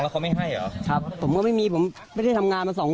เขาไม่ให้เหรอครับผมก็ไม่มีผมไม่ได้ทำงานมาสองคน